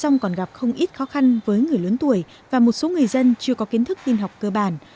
trong còn gặp không ít khó khăn với người lớn tuổi và một số người dân chưa có kiến thức tin học cơ bản